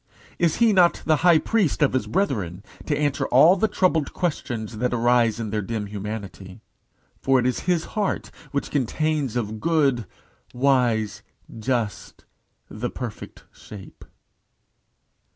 Is he not the High Priest of his brethren, to answer all the troubled questionings that arise in their dim humanity? For it is his heart which Contains of good, wise, just, the perfect shape.